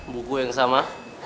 buku yang sama